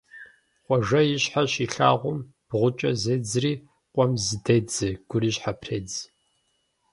Хъуэжэ и щхьэр щилъагъум, бгъукӀэ зедзри къуэм зыдедзэ, гури щхьэпредз.